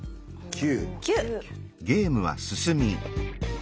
９。